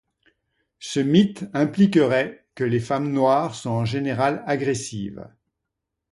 Ce mythe impliquerait que les femmes noires sont en général agressives.